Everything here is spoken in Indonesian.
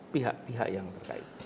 pihak pihak yang terkait